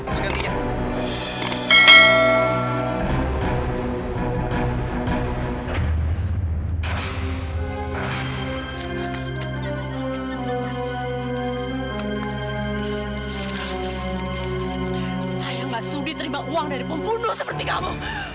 sayang mbak sudi terima uang dari pembunuh seperti kamu